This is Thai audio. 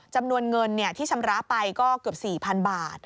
จำนวนเงินที่ชำระไปก็เกือบ๔๐๐๐บาท